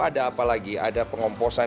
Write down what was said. ada apa lagi ada pengomposan